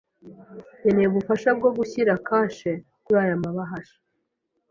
Nkeneye ubufasha bwo gushyira kashe kuri aya mabahasha.